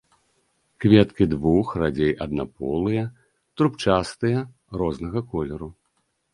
Кветкі двух-, радзей аднаполыя, трубчастыя, рознага колеру.